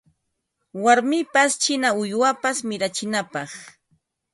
Warmipas china uywapas mirachinapaq